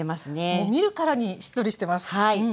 もう見るからにしっとりしてます。